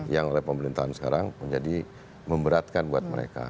yang oleh pemerintahan sekarang menjadi memberatkan buat mereka